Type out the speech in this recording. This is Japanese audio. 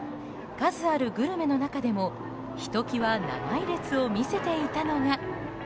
数あるグルメの中でもひときわ長い列を見せていたのが。